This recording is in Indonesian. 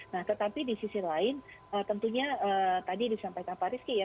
nah tetapi di sisi lain tentunya tadi disampaikan pak rizky ya